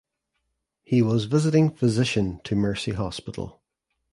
He was visiting physician to Mercy Hospital.